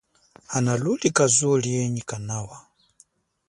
Hanalulika zuwo lienyi kanawa.